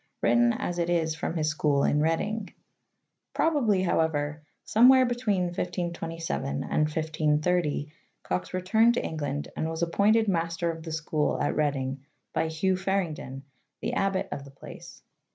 . written as it is from his school in Reading.' Prob Rhetoric. ° ably, however, somewhere between 1527 and 15 3° Cox returned to England and was appointed master of the school at Reading' by Hugh Faringdon, the Abbot of. the place.